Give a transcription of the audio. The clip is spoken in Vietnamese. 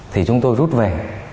thì chúng tôi rút về